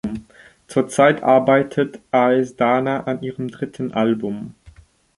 Zurzeit arbeitet Aes Dana an ihrem dritten Album.